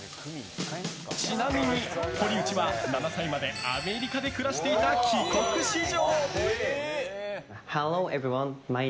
ちなみに、堀内は７歳までアメリカで暮らしていた帰国子女。